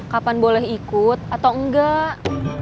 kapan boleh ikut atau enggak